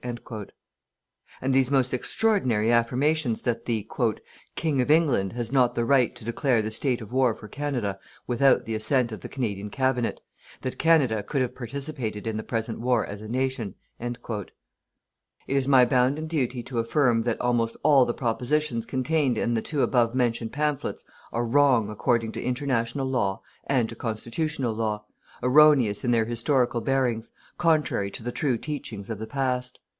_" "And these most extraordinary affirmations that the _King of England has not the right to declare the State of war for Canada, without the assent of the Canadian Cabinet; that Canada could have participated in the present war as a Nation_." "It is my bounden duty to affirm that almost all the propositions contained in the two above mentioned pamphlets are wrong according to international law and to constitutional law, erroneous in their historical bearings, contrary to the true teachings of the past."